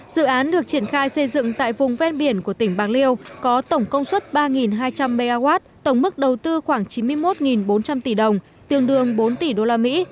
dự án được triển khai xây dựng tại vùng ven biển của tỉnh bạc liêu có tổng công suất ba hai trăm linh mw tổng mức đầu tư khoảng chín mươi một bốn trăm linh tỷ đồng tương đương bốn tỷ đô la mỹ